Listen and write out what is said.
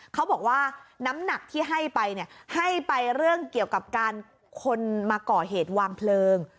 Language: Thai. เขาบอกว่าน้ำหนักที่ให้ไปเนี่ยให้ไปเรื่องเกี่ยวกับการคนมาก่อเหตุวางเพลิง